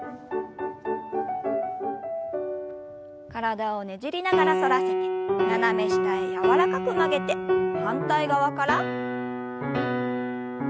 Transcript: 体をねじりながら反らせて斜め下へ柔らかく曲げて反対側から。